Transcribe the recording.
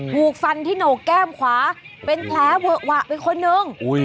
ถูกฟันที่โหนกแก้มขวาเป็นแผลเวอะหวะไปคนนึง